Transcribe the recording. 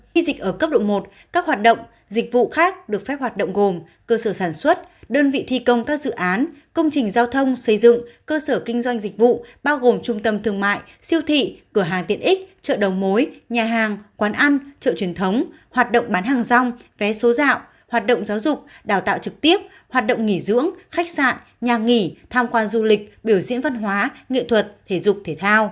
khi dịch ở cấp độ một các hoạt động dịch vụ khác được phép hoạt động gồm cơ sở sản xuất đơn vị thi công các dự án công trình giao thông xây dựng cơ sở kinh doanh dịch vụ bao gồm trung tâm thương mại siêu thị cửa hàng tiện ích chợ đầu mối nhà hàng quán ăn chợ truyền thống hoạt động bán hàng rong vé số dạo hoạt động giáo dục đào tạo trực tiếp hoạt động nghỉ dưỡng khách sạn nhà nghỉ tham quan du lịch biểu diễn văn hóa nghệ thuật thể dục thể thao